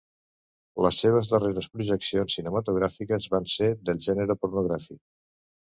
Les seves darreres projeccions cinematogràfiques van ser del gènere pornogràfic.